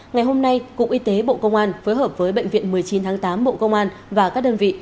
ngày hôm nay cục y tế bộ công an phối hợp với bệnh viện một mươi chín tháng tám bộ công an và các đơn vị